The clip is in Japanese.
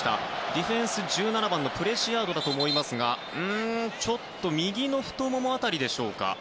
ディフェンス１７番のプレシアードかと思いますがちょっと右の太もも辺りでしょうか。